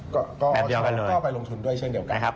ก็ไปลงทุนด้วยเช่นเดียวกันครับ